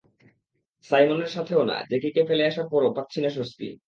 সাইমনের সাথেও না, জ্যাকিকে ফেলে আসার পরও পাচ্ছি না স্বস্তি!